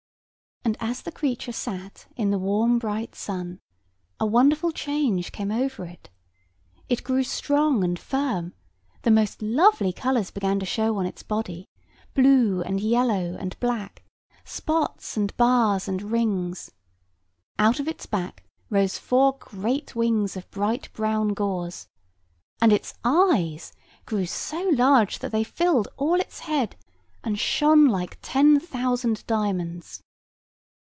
And as the creature sat in the warm bright sun, a wonderful change came over it. It grew strong and firm; the most lovely colours began to show on its body, blue and yellow and black, spots and bars and rings; out of its back rose four great wings of bright brown gauze; and its eyes grew so large that they filled all its head, and shone like ten thousand diamonds.